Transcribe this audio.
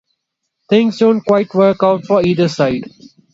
Things don't quite work out for either side.